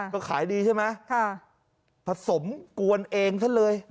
ก็ขายดีใช่ไหมผสมกวนเองซะเลย